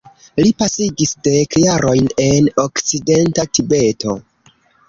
Li pasigis dek jarojn en Okcidenta Tibeto.